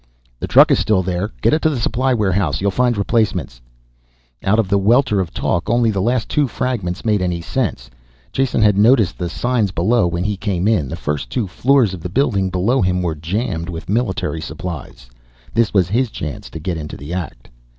"The truck is still there, get it to the supply warehouse, you'll find replacements ..."Out of the welter of talk, only the last two fragments made any sense. Jason had noticed the signs below when he came in. The first two floors of the building below him were jammed with military supplies. This was his chance to get into the act.